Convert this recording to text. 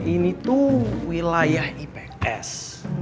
ini tuh wilayah ips